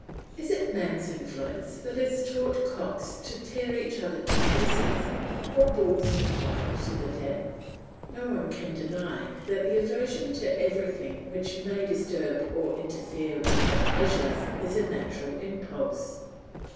Is it man's influence that has taught cooks to tear each other to pieces or bulls to fight to the death? No one can deny that the aversion to everything which may disturb or interfere with our pleasures is a natural impulse.